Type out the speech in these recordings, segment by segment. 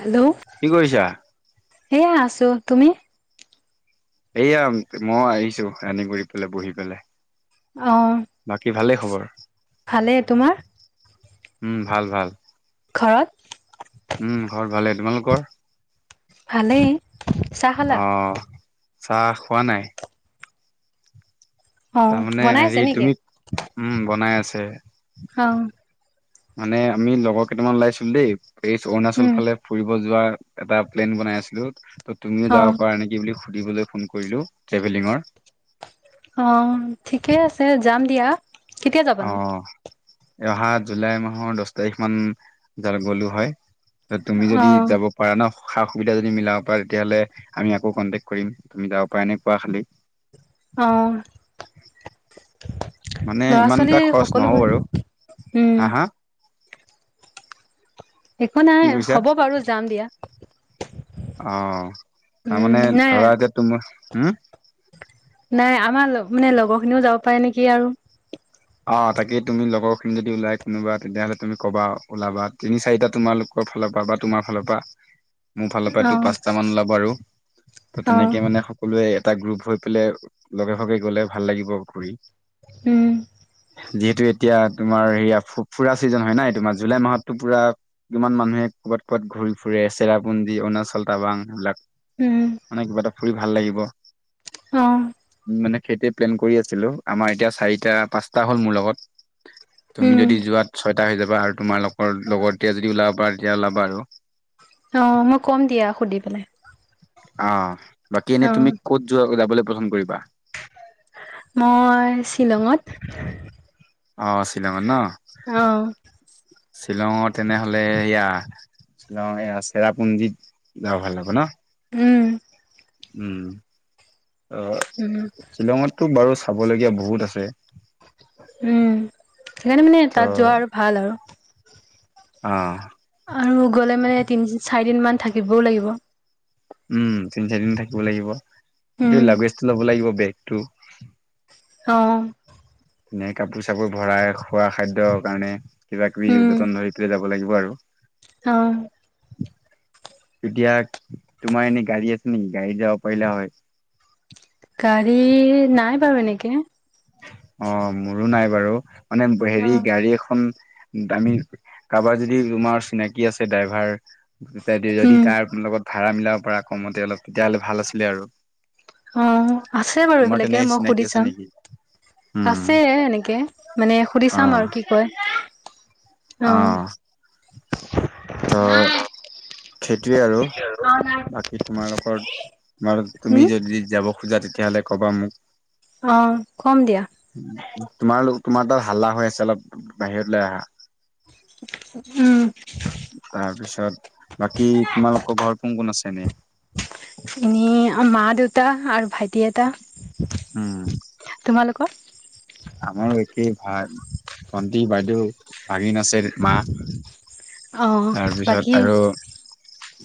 Hello, কি কৰিছা? এয়া আছোঁ। তুমি? এয়া মই আহিছোঁ, আনি কৰি পেলাই বহি পেলাই। অহ, বাকী ভালেই খবৰ? ভালে। তোমাৰ? উম, ভাল ভাল। ঘৰত? উম, ঘৰত ভালে। তোমালোকৰ? ভালেই। চাহ খালা? অ' চাহ খোৱা নাই। অ তাৰমানে বনাইছে হেৰি, নেকি তুমি উম, বনাই আছে। অহ। মানে আমি লগৰ কেইটামান ওলাইছিলো দেই, এই অৰুণাচল উম ফালে ফুৰিব যোৱা। এটা প্লেন বনাই আছিলোঁ। তো তুমিও অ যাব পাৰা নেকি বুলি সুধিবলৈ ফোন কৰিলোঁ ট্ৰেভেলিঙৰ। অ', ঠিকে আছে, যাম দিয়া। কেতিয়া যাবানো? অ' অহা জুলাই মাহৰ দছ তাৰিখ মান যা গ'লো হয়। তুমি অ যদি যাব পাৰা ন। সা-সুবিধা যদি মিলাব পাৰা তেতিয়াহ'লে আমি আকৌ কণ্টেক্ট কৰিম। তুমি যাব পাৰা নে নোপোৱা খালি। অ'। মানে ইমান এটা ল'ৰা-ছোৱালী খৰচ নহ'ব সকলোবোৰ। বাৰু উম। হা হা একো কি নাই। কৈছা হ'ব বাৰু। যাম দিয়া। অ', উম তাৰমানে নাই ধৰা এতিয়া তোমাৰ। হম? নাই আমাৰ মানে লগৰখিনিও যাব পাৰে নেকি আৰু। অ', তাকেই তুমি লগৰখিনি যদি ওলাই কোনোবা, তেতিয়াহ'লে তুমি ক'বা, ওলাবা তিনি-চাৰিটা তোমালোক ফালৰ পৰা বা তোমাৰ ফালৰ পৰা। মোৰ ফালৰ অ পৰাটো পাঁচটা মান ওলাব। আৰু তো অ তেনেকে মানে সকলোৱে এটা গ্ৰুপ হৈ পেলাই লগে-ভাগে গ'লে ভাল লাগিব ঘূৰি। উম। যিহেতু এতিয়া তোমাৰ হেৰি ফুৰা ছিজন হয় নাই। তোমাৰ জুলাই মাহতটো পুৰা কিমান মানুহে ক'বাত ক'বাত ঘূৰি ফুৰে, চেৰাপুঞ্জী অৰুণাচল টাৱাং সেইবিলাক। উম মানে কিবা এটা ফুৰি ভাল লাগিব। অ'। মানে সেইটোৱে প্লেন কৰি আছিলোঁ। আমাৰ এতিয়া চাৰিটা-পাঁচটা হ'ল মোৰ লগত। তুমি উম যদি যোৱাত ছয় টা হৈ যাব। আৰু তোমাৰ লগৰ লগত এতিয়া যদি ওলাব পাৰা তেতিয়া ওলাবা আৰু। অ', মই কম দিয়া সুধি পেলাই। অহ। বাকী এনে অ তুমি ক'ত যোৱা যাবলৈ পচন্দ কৰিবা? মই ছিলংত। অ ', ছিলংত ন? শ্বিলংত তেনেহলে এয়া, শ্বিলং এয়া চেৰাপুঞ্জীত যাব ভাল হ'ব ন। উম। উম'। অহ, উম, শ্বিলংতো বাৰু চাবলগীয়া বহুত আছে। উম' সেইকাৰণে মানে ত তাত যোৱা আৰু ভাল আৰু। অহ'। আৰু গলে মানে তিনি চাৰি দিন মান থাকিবও লাগিব। উম' তিন চাৰিদিন থাকিব লাগিব। উম, এই লাগেজটো ল'ব লাগিব বেগটো। অহ'। এনে কাপোৰ চাপোৰ ভৰাই খোৱা খাদ্যৰ কাৰণে, কিবা কিবি যতন ধৰি পেলাই যাব লাগিব আৰু। অহ'। তেতিয়া তোমাৰ এনে গাড়ী আছে নেকি? গাড়ীত যাব পাৰিলে হয়। হেৰি, নাই বাৰু এনেকে। অহ' মোৰো নাই বাৰু মানে হেৰি অ', গাড়ী এখন আমি কাৰোবাৰ যদি তোমাৰ চিনাকি আছে ড্ৰাইভাৰ যদি উম, তাৰ লগত ভাড়া মিলাব পাৰা কমতে অলপ, তেতিয়া হ'লে ভাল আছিলে আৰু। অহ' আছে বাৰু তোমাৰ এইবিলাকে তেনেকে মই চিনাকি সুধি আছে চাম। নেকি উম আছে এনেকে, মানে সুধি চাম আৰু কি কয়। অ', অহ'। ত' সেইটোয়ে আৰু বাকী তোমালোকৰ, তোমালোক তুমি উম, যদি যাব খোজা তেতিয়া হ'লে কবা মোক। অ', কম দিয়া। তোমাৰ তোমাৰ তাত হাল্লা হৈ আছে অলপ, বাহিৰলৈ আহা। উম'। তাৰপিছত বাকী, তোমালোকৰ ঘৰ কোন কোন আছে এনেই? এনেই মা-দেউতা আৰু ভাইটি এটা। উম'। তোমালোকৰ? আমাৰ একেই ভা-ভণ্টি, বাইদেউ, ভাগিন আছে, মা। অ', বাকী তাৰপিছত আৰু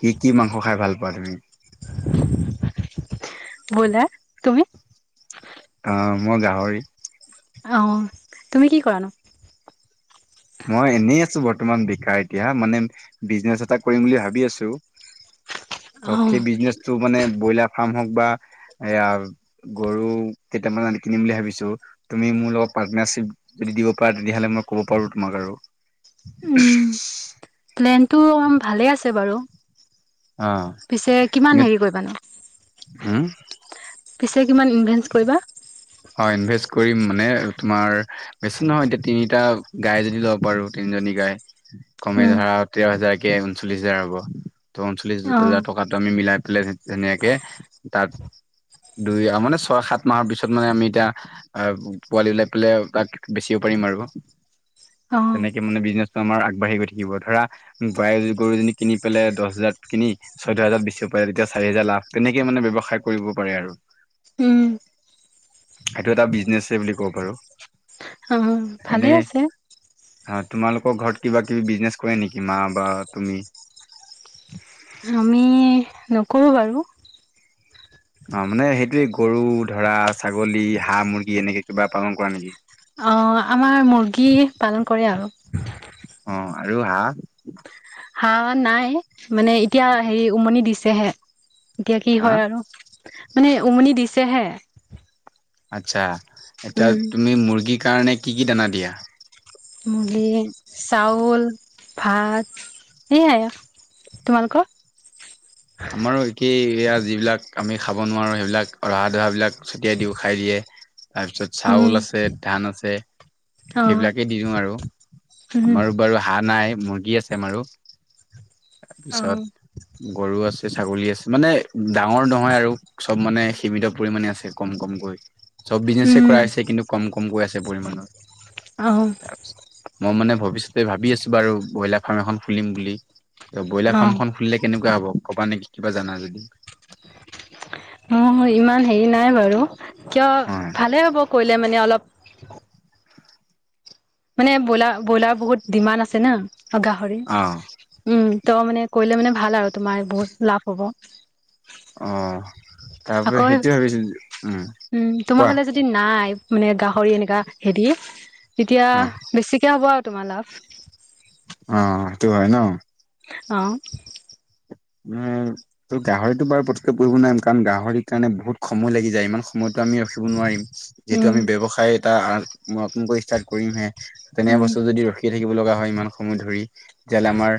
কি কি মাংস খাই ভাল পোৱা তুমি? বইলাৰ। তুমি? অহ' মই গাহৰি। অহ' তুমি কি কৰানো? মই এনেই আছো বৰ্তমান বিকাৰ এতিয়া, মানে বিজনেছ এটা কৰিম বুলি ভাবি আছো। ত' সেই অ', বিজনেচটো মানে ব্ৰইলাৰ ফাৰ্ম হওঁক বা এয়া গৰু কেইটামান আনি কিনিম বুলি ভাবিছোঁ। তুমি মোৰ লগত পাৰ্টনাৰশ্বিপ দিব পাৰা তেতিয়া হ'লে মই ক'ব পাৰো, তোমাক আৰু। উম, প্লেনটো অকমান ভালে আছে বাৰু। অহ' পিছে কিমান এনেই হেৰি কৰিবানো? উম। পিছে কিমান ইনভেষ্ট কৰিবা। হয় ইনভেষ্ট কৰিম মানে তোমাৰ বেছি নহয়, এতিয়া তিনিটা গাই যদি ল'ব পাৰো তিনিজনী গাই। কমে উম, ধৰা তেৰ হাজাৰকে ঊনচল্লিশ হাজাৰ হ'ব। ঊনচল্লিশ হাজাৰ অ', টকাটো আমি মিলাই [unintelligible] ধুনীয়াকে, তাত দুই মানে ছয় সাত মাহৰ পিছত মানে আমি এতিয়া অহ, পোৱালি উলিয়াই পেলাই, তাক বেচিব পাৰিম আৰু। অ', তেনেকে মানে বিজনেছটো আমাৰ আগবাঢ়ি গৈ থাকিব। ধৰা গাই গৰুজনী কিনি পেলাই দহ হাজাৰ কিনি চৈধ্য হাজাৰত বেছি পাৰে। তেতিয়া চাৰি হোজাৰ লাভ তেনেকে মানে ব্যৱসায় কৰিব পাৰে আৰু। উম, এইটো এটা বিজনেচে বুলি কব পাৰোঁ। অ', ভালে আছে। অ তোমালোকৰ ঘৰত কিবা কিবি বিজনেছ কৰে নেকি মা বা তুমি। আমি নকৰোঁ বাৰু। অহ' মানে সেইটোৱে গৰু ধৰা, ছাগলী, হাঁহ-মুৰ্গী এনেকে কিবা পালন কৰা নেকি? অ', আমাৰ মুৰ্গী পালন কৰে আৰু। অহ' আৰু হাঁহ। হাঁহ আমাৰ নাই। মানে এতিয়া হেৰি উমনি দিছেহে। এতিয়া কি হা হয় আৰু মানে উমনি দিছেহে। আচ্ছা এতিয়া উম, তুমি মুৰ্গীৰ কাৰণে কি কি দানা দিয়া। মুৰি চাউল ভাত সেয়াই। তোমালোকৰ। আমাৰো একেই। [unintelligible] যিবিলাক আমি খাব নোৱাৰো সেইবিলাক ৰহা ধহাবিলাক ছটিয়াই দিওঁ খাই দিয়ে। তাৰপিছত উম, চাউল আছে ধান আছে অ'। সেইবিলাকেই দি দিওঁ আৰু। উম আমাৰো বাৰু হাঁহ নাই। মুৰ্গী আছে আমাৰো তাৰপিছত অ'। গৰু আছে। ছাগলী আছে মানে ডাঙৰ নহয় আৰু চব মানে সীমিত পৰিমানে আছে কম কমকৈ। চব বিজনেছে উম, কৰাইছে কিন্তু কম কমকৈ আছে পৰিমাণৰ। অ', [unintelligible] মোৰ মানে। ভৱিষ্যতে ভাবি আছো বাৰু ব্ৰইলাৰ ফাৰ্ম এখন খুলিম বুলি ত ব্ৰইলাৰ অ', ফাৰ্মখন খুলিলে কেনেকুৱা হ'ব। ক'বা নেকি কিবা জানা যদি। [unintelligible] ইমান হেৰি নাই বাৰু কিয় ভালে হ'ব কৰিলে মানে অলপ। [unintelligible] মানে ব্ৰইলাৰ ব্ৰইলাৰ বহুত ডিমাণ্ড আছে না গাহৰি অ উম। ত মানে কৰিলে মানে ভাল আৰু তোমাৰ বহুত লাভ হ'ব। অ তাৰ আকৌ পৰা সেইটোয়ে ভাবিছো উম। উম তোমাৰ কোৱা ফালে যদি নাই মানে গাহৰি এনেকা হেৰি। তেতিয়া অ বেছিকে হ'ব আৰু তোমাৰ লাভ। অ সেইটো হয় ন অহ। উম ত গাহৰিটো বাৰু পতককৈ কৰিব নোৱাৰিম কাৰণ গাহৰি কাৰণে বহুত সময় লাগি যায় ইমান সময়ত। আমি ৰখিব নোৱাৰিম যিহেতু উম, আমি ব্যৱসায় এটা। মই নতুনকৈ ষ্টাৰ্ট কৰিমহে তেনে উম, বস্তু যদি ৰখি থাকিব লগা হয় ইমান সময় ধৰি। তেতিয়াহলে আমাৰো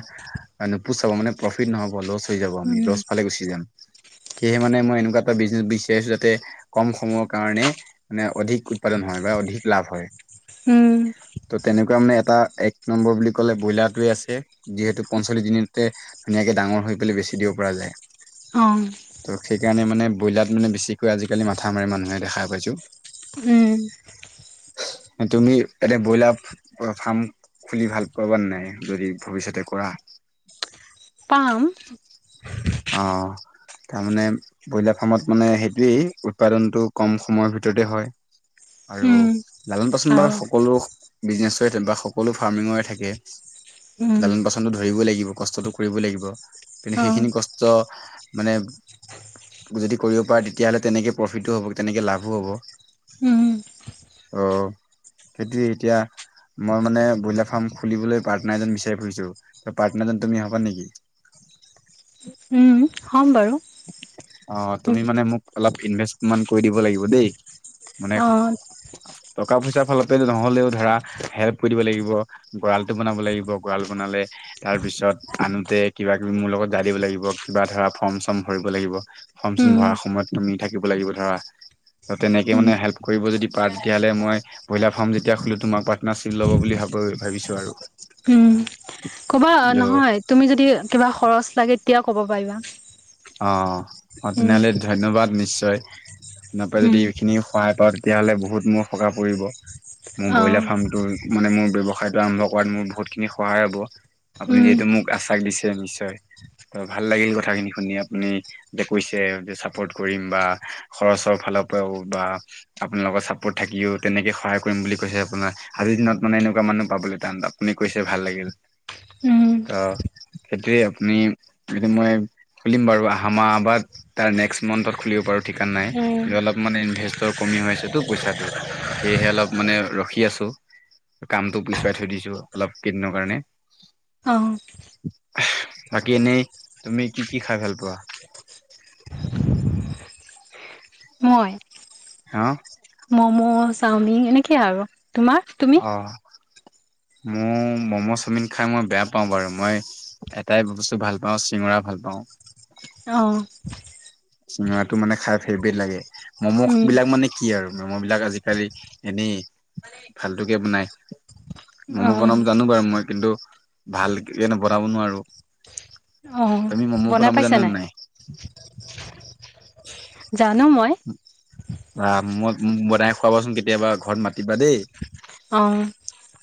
নপোচাব মানে প্ৰফিট নহ'ব লছ। যাব আমি উম, লছ ফালে গুচি যাম সেয়ে মানে মই এনেকুৱা। এটা বিজনেছ বিচাৰিছো যাতে কম সময়ৰ কাৰণে মানে অধিক উৎপাদন হয় বা অধিক লাভ হয়। উম। ত' তেনেকুৱা মানে এটা এক নম্বৰ বুলি ক'লে ব্ৰইলাৰটোৱে আছে যিহেতু পঞ্চল্লিশ দিনতে ধুনীয়াকে ডাঙৰ। হৈ গলে বেছি দিব পৰা যায়। অ। ত' সেইকাৰণে মানে বইলাৰ মানে বেছিকৈ আজিকালি মাথা মানুহে দেখা পাইছো। উম। তুমি এনে ব্ৰইলাৰ ফাৰ্ম। খুলি ভাল পাবা নে নাই যদি ভৱিষ্যতে কৰা। পাম। তাৰমানানে ব্ৰইলাৰ ফাৰ্মত মানে সেইটোৱেই উৎপাদনটো কম সময়ৰ ভিতৰতে হয়। আৰু উম, লালন পাচন বাৰু আৰু সকলো বিজনেচৰে থাকে বা সকলো ফাৰ্মিঙৰে থাকে। উম, লালান পাচনটো ধৰিব লাগিব কষ্টটো কৰিব লাগিব কিন্তু অ', সেইখিনি কষ্ট। মানে যদি কৰিব পাৰে তেতিয়াহ'লে তেনেকে প্ৰফিটোো হ'ব তেনেকে লাভো হ'ব উম। অ সেইটে এতিয়া মই মানে ব্ৰইলাৰ ফাৰ্ম খুলিবলৈ পাৰ্টনাৰ এজন মিচাৰ ফুৰিছো পাৰ্টনাৰ তুমি হবা নেকি উম, হ'ম বাৰু অ তুমি মানে মোক অলপ ইনভেষ্টে কৰি দিব লাগিব দেই মানে অ', টকা পইচাৰ ফালতে নহ'লেও ধৰা হেল্প কৰিব লাগিব গঁড়ালটো বনাব লাগিব গঁড়াল বনালে। তাৰ পিছত আনোতে কিবা কিবি মোৰ লগত জান দিব লাগিব কিবা ধৰা ফৰ্ম। চৰ্ম ভৰিব লাগিব ফৰ্ম চৰ্ম উম, ভৰা সময়ত তুমি থাকিব লাগিব ধৰা। ত তেনেকে উম, মানে হেল্প কৰিব যদি পাৰা তেতিয়লে মই ব্ৰইলাৰ ফাৰ্ম যেতিয়া খুলোঁ তোমাৰ পাৰ্টনাৰচিপ ল'ব বুলি ভাবোঁ। বুলি ভাবিছোঁ আৰু। উম ক'বা ত নহয় তুমি যদি কিবা খৰচ লাগে তেতিয়া ক'ব পাৰিবা। অ অ উম, তেনেহলে ধন্যবাদ নিশ্চয় আপোনাৰ পৰাে যদি উম, এইখিনি সহায় পা তেতিয়াহ'লে বহুত মোৰ সকাহ পৰিব মোৰ ব্ৰইলাৰ অ', ফাৰ্মটো মানে মোৰ ্য়ৱসায়তোম্ভ কৰাত মোৰ বহুত খিনি সহায় হব আপুনি উম, যিহু মোক আছে াক দিছে নিশ্চয় ত ভাল লাগিল কথাখিনি শুনিয় আ যে কৈছে চাপৰ্ কৰিম বা খৰচৰ ফাল পৰাও বা আপোনাৰ লগত চাপৰ্ট থাকিও তেনেকে সহায় কৰিম বুলি কৈছে আপোনাৰ আজি দিন মানে এনেকুৱা মানুহ পাবলৈ টান আপুনি কৈছে ভাল লাগিল উম, ত সতি আপুনি যদি মই খুলিম বাৰু আহম আবাদ তাৰ নেক্সট মান্থত খুলিব পাৰো ঠিকান নাই উম, অলপ মান ইনভেৰ কমি তো পইচাটো সেয়েহে অলপ মানে ৰখি আছো কামতটো পিছুৱাই থৈ দিছো অলপ কেইদিনৰ কাৰণে অ', বাকী এনেই তুমি কি কি খাই ভাল পোৱা মই হা মম' চাওমিন এনেকে আৰু তোমাৰ তুমি অ মোৰ ম'ম' চাওমিন খাই মই বেয়া পাওঁ বাৰু মই এটাই বস্তু ভাল পাওঁ চিঙৰা ভাল পাওঁ আহ চিঙৰাটো মানে খাই ফেভৰেট লাগে ম'ম' উম, বিলাক মানে কি আৰু মেম' বিলাক আজিকালি এনেই ভালটোকে বনাই মম' অ', বনাম জানো বাৰু মই কিন্তু ভাল কেনে বনাব নোৱাৰো অ', তমি মম্ম প বনাই ন ম পাইছা জান নাই হয় আহ মই মোক বনাই খুৱাবাচোন কেতিয়াবা ঘৰত মাতিবা দেই অ',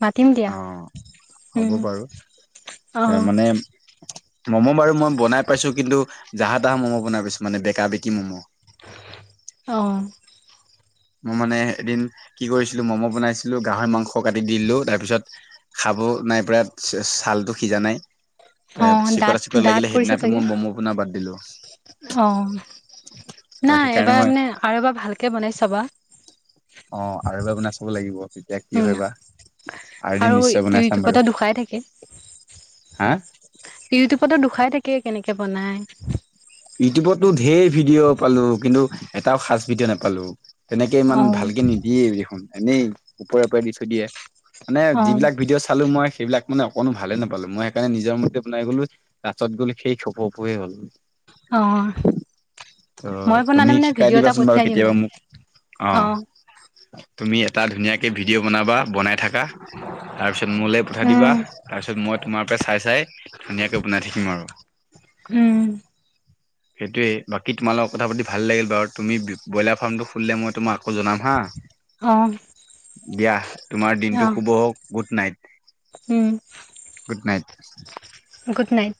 মাতিম দিয়া অ হ'ব উম, বাৰু এ অ', মানে ম'ম' বাৰু মই বনাই পাইছো কিন্তু জাহা তাহা ম'ম' বনাই পাইছো মানে বেকা বেকি ম'ম' অঁ মই মানে এদিন কি কৰিছিলো ম'ম' বনাইছিলো গাহৰি মাংস কাটি দিলো তাৰ পিছত খাব চাব নাই পৰা ছাল ো সিজা নাই ত অ', চিকৰা দাঁত চিকৰা দাঁত লাগিলে সেইদিিন কৰিছে প চাগে মই বম্ম পোণ বাদ দিলো অ', ত নাই সেইকাৰণে এবাৰ মই মানে আৰু এবাৰ ভালকে বনাই চাবা অ আৰু এবাৰ আপোনাৰ চাব লাগিব তেতিয়া কি উম, হয় বা আৰু এদিন নিশ্চয় বনাই চাম ইউটিউবতে বাৰু দুখাই হা ইউটিউবতো দুোখাই থাকে কেনেকে বনাই ইউটিউবতো ধঢেৰ ভিডিঅ' পালো কিন্তু এটাও সাঁচ ভিডিঅ' নাপালো তেনেকে ইমান অ', ভালকে নিদিয়ে দেখোন এনেই ওপৰে ওপৰে দি থৈ দিয়ে মানে অ', যিবিলাক ভিডিঅ' চালো মই সেইবিলাকান অকণো ভালে নাপালো মই সেইকাৰণে নিজৰ মূতে বনাই গ'লো ৰা্তত গলো সেই খেপো ফহে হ'ল অ ত মই বনালে তুমি মানে শিকাই ভিডিঅ' এটা দিবাচোন বাৰু পঠিয়াই দিম কেতিয়াবা দিয়া। মোক অ তুমি এটা ধুনীয়াকে ভিডিঅ বনাবা বনাই থাককা তাৰ পিছত মোলৈ পঠাই দিবা উম, তাৰ পিছত মই তোমাৰ পৰা চাই চাই ধুনীয়াকে বনাই থাকিম আৰু উম উ সেইটোৱে বাকী তোমাৰ লগৰ কথা পাতি ভাল লাগিল বাৰু তুমি ব্ৰইলাৰ ফাৰ্মটো খুলিলে মই তোমাক আকৌ জনাম হা আহ দিয়া তোমাৰ দিনটো শুভ হওক গুড নাইট উম গুড নাইট গুড নাইট